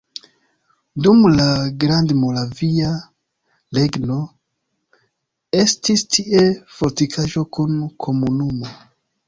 Dum la Grandmoravia Regno estis tie fortikaĵo kun komunumo.